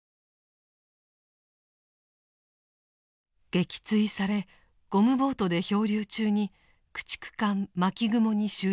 撃墜されゴムボートで漂流中に駆逐艦「巻雲」に収容されました。